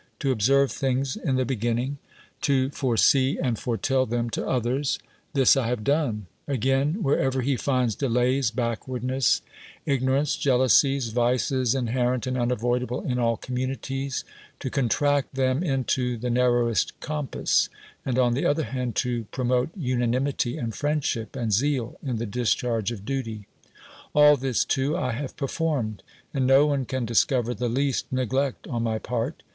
To obsci've thimrs in 1lu^ bcu inniiiL''. 1(» roresee and forotell thom to oUkts, — this I hrive done: again; wherever he finds deh ivs, backwardness, igno 161) THE WORLD'S FAMOUS ORATIONS ranee, jealousies, vices inherent and unavoidable in all communities, to contract them into the nar rowest compass, and on the other hand, to pro mote unanimity and friendship and zeal in the discharge of duty. All this, too, I have per formed; and no one can discover the least neg lect on my part.